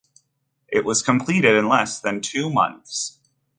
It was completed in less than two months.